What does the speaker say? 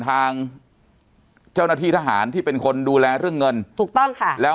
ทางเจ้าหน้าที่ทหารที่เป็นคนดูแลเรื่องเงินถูกต้องค่ะแล้ว